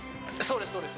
そうです